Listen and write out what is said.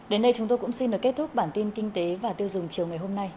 đến đây chúng tôi cũng xin được kết thúc bản tin kinh tế và tiêu dùng chiều ngày hôm nay